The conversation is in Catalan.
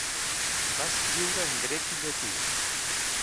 Va escriure en grec i llatí.